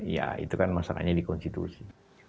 ya itu kan masalahnya di konstitusi